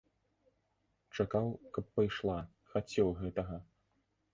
Чакаў, каб пайшла, хацеў гэтага.